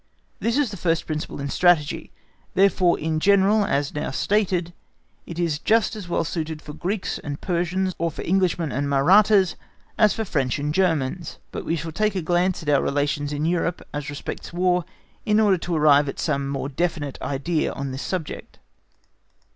This is the first principle in Strategy, therefore in general as now stated, it is just as well suited for Greeks and Persians, or for Englishmen and Mahrattas, as for French and Germans. But we shall take a glance at our relations in Europe, as respects War, in order to arrive at some more definite idea on this subject.